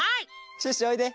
シュッシュおいで！